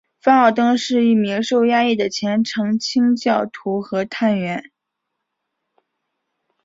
范奥登是一名受压抑的虔诚清教徒和的探员。